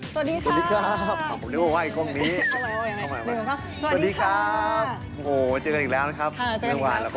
สวัสดีครับ